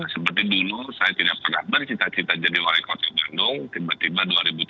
seperti dulu saya tidak pernah bercita cita jadi wali kota bandung tiba tiba dua ribu tujuh belas